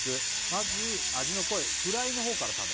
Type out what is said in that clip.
「まず味の濃いフライのほうから食べ」